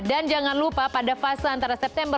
dan jangan lupa pada fase antara september